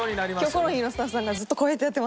『キョコロヒー』のスタッフさんがずっとこうやってやってます。